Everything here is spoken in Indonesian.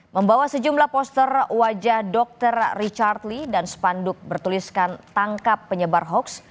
membawa sejumlah poster wajah dokter richard lee dan spanduk bertuliskan tangkap penyebar hoax